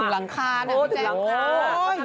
ถึงหลังคาโอ้ถึงหลังคา